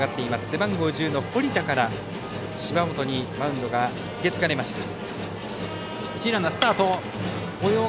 背番号１０の堀田から芝本にマウンドが引き継がれました。